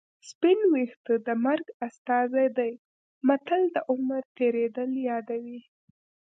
سپین ویښته د مرګ استازی دی متل د عمر تېرېدل یادوي